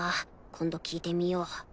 今度聞いてみよう